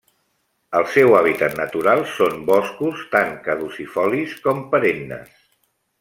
El seu hàbitat natural són boscos, tant caducifolis com perennes.